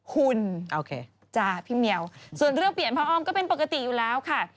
คุณโอเคจ้าพี่เมียวส่วนเรื่องเปลี่ยนพระอ้อมก็เป็นปกติอยู่แล้วค่ะ